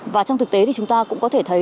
và trong thực tế thì chúng ta cũng có thể thấy